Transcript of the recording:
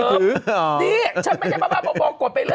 นี่ฉันไม่ใช่มาบ้าบ้าบอกกว่าไป